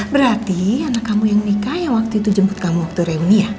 berarti anak kamu yang nikah yang waktu itu jemput kamu waktu reuni ya